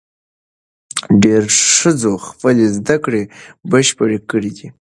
ډېرو ښځو خپلې زدهکړې بشپړې کړې دي.